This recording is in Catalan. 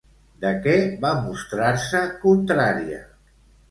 De què va mostrar-se contrària?